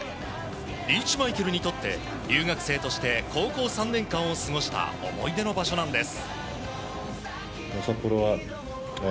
リーチマイケルにとって留学生として高校３年間を過ごした思い出の場所なんです。